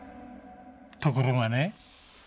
ところがね